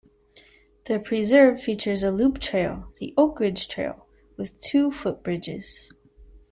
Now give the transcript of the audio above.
The preserve features a loop trail, the Oak Ridge Trail, with two footbridges.